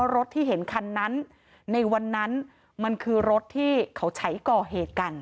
รถที่เห็นคันนั้นในวันนั้นมันคือรถที่เขาใช้ก่อเหตุกัน